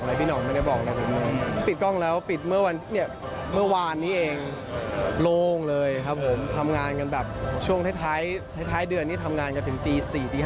เราควรกลัวมั้ยคะเรื่องนี้